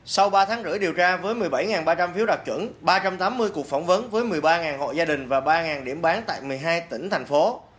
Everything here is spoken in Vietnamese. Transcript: sau ba tháng rưỡi điều tra với một mươi bảy ba trăm linh phiếu đạt chuẩn ba trăm tám mươi cuộc phỏng vấn với một mươi ba hộ gia đình và ba điểm bán tại một mươi hai tỉnh thành phố